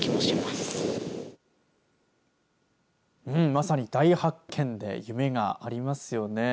まさに大発見で夢がありますよね。